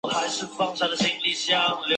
翌日双方达成协议。